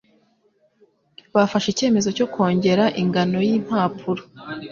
Bafashe icyemezo cyo kongera ingano y'impapuro